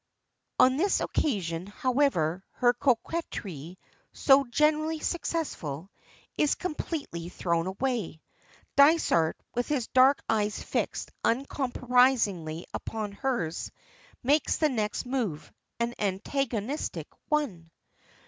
On this occasion, however, her coquetry so generally successful is completely thrown away. Dysart, with his dark eyes fixed uncompromisingly upon hers, makes the next move an antagonistic one.